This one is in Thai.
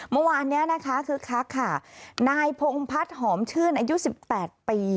เมื่อวานนี้นะคะคึกคักค่ะนายพงพัฒน์หอมชื่นอายุสิบแปดปี